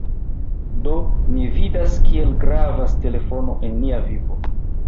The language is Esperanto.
Do, ni vidas, kiel gravas telefono en nia vivo!